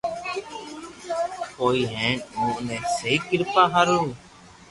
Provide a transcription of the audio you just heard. ھوئي ھين اووہ ني سھي ڪريا ھارو